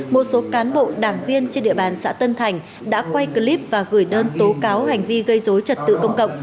một số cán bộ đảng viên trên địa bàn xã tân thành đã quay clip và gửi đơn tố cáo hành vi gây dối trật tự công cộng